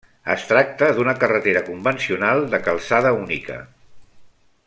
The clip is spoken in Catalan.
Es tracta d'una carretera convencional de calçada única.